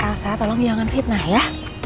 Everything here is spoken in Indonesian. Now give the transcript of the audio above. elsa tolong jangan fitnah ya